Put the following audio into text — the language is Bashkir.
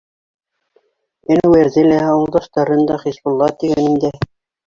Әнүәрҙе лә, ауылдаштарын да, Хисбулла тигәнен дә...